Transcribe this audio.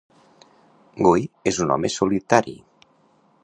Guy és un home solitari.